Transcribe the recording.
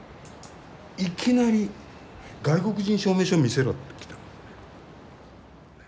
いきなり「外国人証明書見せろ」ってきたの。